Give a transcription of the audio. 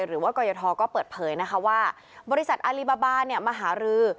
หรือว่ากรยทก็เปิดเผยนะคะว่าบริษัทอารีบาบามหารือ